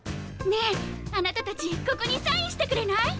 ねえあなたたちここにサインしてくれない？